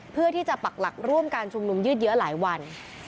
เพื่อที่จะปักหลักร่วมการชุมลุมยืดเยอะหลายวัน